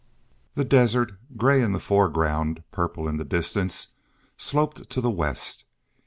The desert, gray in the foreground, purple in the distance, sloped to the west.